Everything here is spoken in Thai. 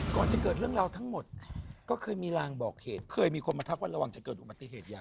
ก่อนจะเกิดเรื่องราวทั้งหมดก็เคยมีรางบอกเหตุเคยมีคนมาทักว่าระวังจะเกิดอุบัติเหตุใหญ่